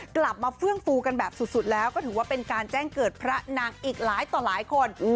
กลับมาเฟื่องฟูกันแบบสุดแล้วก็ถือว่าเป็นการแจ้งเกิดพระนางอีกหลายต่อหลายคน